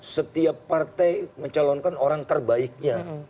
setiap partai mencalonkan orang terbaiknya